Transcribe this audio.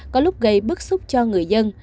có lúc gây bức xúc cho người dân